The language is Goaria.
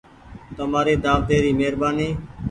تمآري دآوتي ري مهربآني ۔